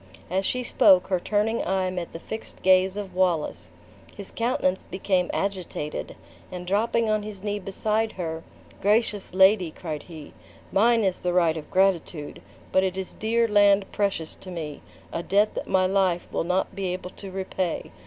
As she spoke, her turning eye met the fixed gaze of Wallace. His countenance became agitated, and dropping on his knee beside her; "Gracious lady;" cried he, "mine is the right of gratitude; but it is dear land precious to me; a debt that my life will not be able to repay.